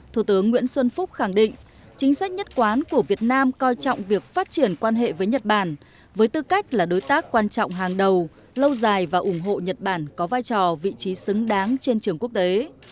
thủ tướng nguyễn xuân phúc khẳng định chính sách nhất quán của việt nam coi trọng việc phát triển quan hệ với nhật bản với tư cách là đối tác quan trọng hàng đầu lâu dài và ủng hộ nhật bản có vai trò vị trí xứng đáng trên trường quốc tế